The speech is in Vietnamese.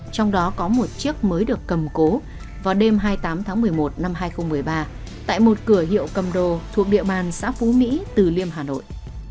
trong đó có một chiếc mới được cầm cố vào đêm hai mươi tám tháng một mươi một năm hai nghìn một mươi ba tại một cửa hiệu cầm đồ thuộc địa bàn xã phú mỹ từ liêm hà nội